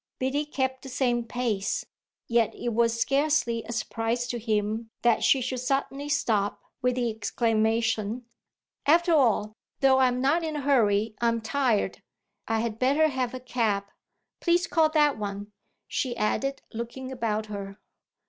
Biddy kept the same pace; yet it was scarcely a surprise to him that she should suddenly stop with the exclamation: "After all, though I'm not in a hurry I'm tired! I had better have a cab; please call that one," she added, looking about her.